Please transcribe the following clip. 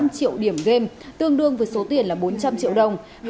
bốn trăm linh triệu điểm game tương đương với số tiền là bốn trăm linh triệu đồng